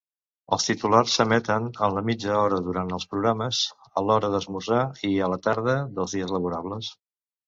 Els titulars s'emeten en la mitja hora durant els programes a l'hora d'esmorzar i a la tarda dels dies laborables.